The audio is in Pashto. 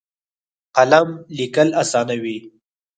قلم لیکل اسانوي.